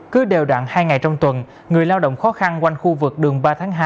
cứ đều đạn hai ngày trong tuần người lao động khó khăn quanh khu vực đường ba tháng hai